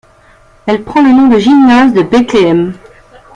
Elle prend le nom de gymnase de Bethléem.